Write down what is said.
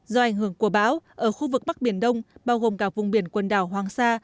do ảnh hưởng của bão ở khu vực bắc biển đông bao gồm cả vùng biển quần đảo hoàng sa